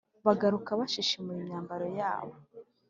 bagaruka bashishimuye imyambaro yabo,